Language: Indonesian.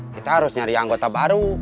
kita harus nyari anggota baru